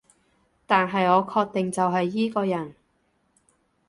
但係我確定就係依個人